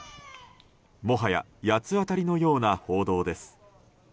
もはや八つ当たりのような報道です。